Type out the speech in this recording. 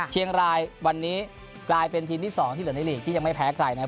เชียงรายวันนี้กลายเป็นทีมที่๒ที่เหลือในหลีกที่ยังไม่แพ้ใครนะครับ